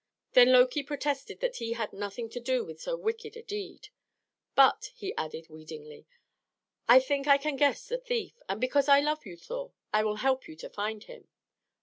Then Loki protested that he had nothing to do with so wicked a deed. "But," he added wheedlingly, "I think I can guess the thief; and because I love you, Thor, I will help you to find him."